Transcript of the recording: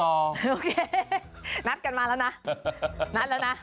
โอเคนัดกันมาแล้วนะนัดแล้วนะ